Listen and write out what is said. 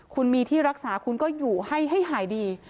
คุณมีที่รักษาคุณก็อยู่ให้หายดี